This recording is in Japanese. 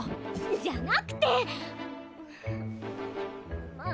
じゃなくてっ！